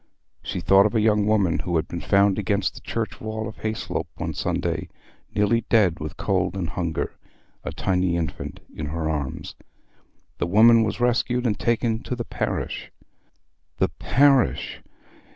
She thought of a young woman who had been found against the church wall at Hayslope one Sunday, nearly dead with cold and hunger—a tiny infant in her arms. The woman was rescued and taken to the parish. "The parish!"